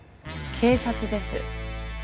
警察です。